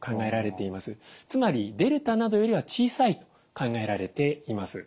つまりデルタなどよりは小さいと考えられています。